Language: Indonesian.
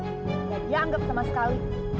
nggak dianggap sama sekali